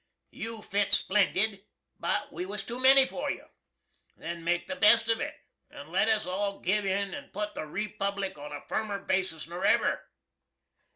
You fit splendid, but we was too many for you. Then make the best of it, & let us all give in and put the Republic on a firmer basis nor ever.